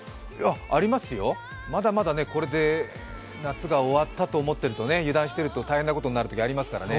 ありますよ、まだまだこれで夏が終わったと思ってると、油断してると大変なことになるときありますからね。